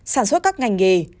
sản xuất các ngành nghề